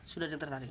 sudah di tertarik